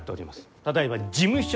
ただいま事務所